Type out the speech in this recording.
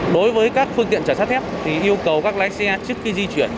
đối với các phương tiện trở sát thép thì yêu cầu các lái xe trước khi di chuyển